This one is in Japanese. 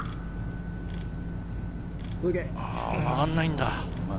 曲がんないんだ。